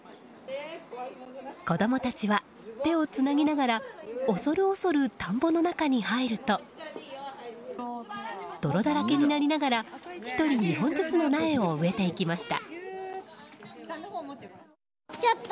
子供たちは手をつなぎながら恐る恐る田んぼの中に入ると泥だらけになりながら１人２本ずつの苗を植えていきました。